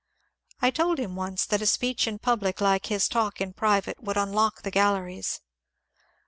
I told him once that a speech in public like his talk in private would unlock the galleries.